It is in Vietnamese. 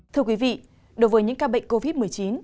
thưa quý vị đối với những ca bệnh covid một mươi chín